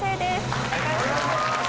お願いします。